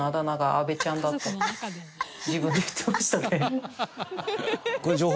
自分で言ってましたね。